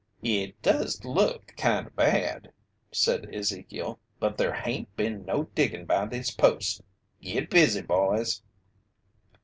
"It does look kinda bad," said Ezekiel. "But there hain't been no diggin' by this post. Git busy, boys!"